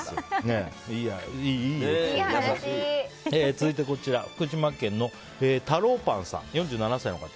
続いて、福島県の４７歳の方。